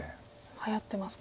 はやってますか。